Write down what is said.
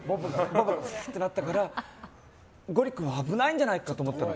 ボブがグルルってなったからゴリ君、危ないんじゃないかって思ったの。